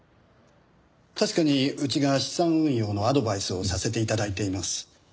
確かにうちが資産運用のアドバイスをさせて頂いています。